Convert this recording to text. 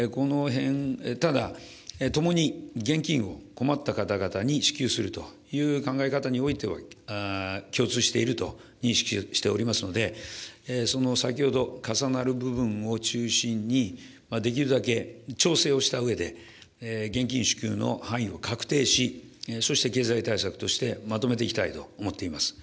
ただ、共に現金を困った方々に支給するという考え方においては、共通していると認識しておりますので、その先ほど重なる部分を中心に、できるだけ調整をしたうえで、現金支給の範囲をかくていし、そして、経済対策として、まとめていきたいと思っています。